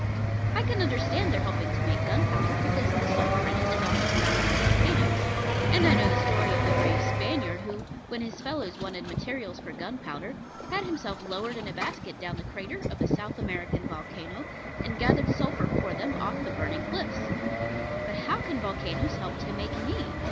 I can understand their helping to make gunpowder, because the sulphur in it is often found round volcanos; and I know the story of the brave Spaniard who, when his fellows wanted materials for gunpowder, had himself lowered in a basket down the crater of a South American volcano, and gathered sulphur for them off the burning cliffs: but how can volcanos help to make me?